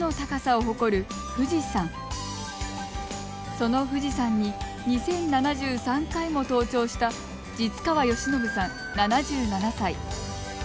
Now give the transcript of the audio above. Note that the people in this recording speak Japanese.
その富士山に２０７３回も登頂した實川欣伸さん７７歳。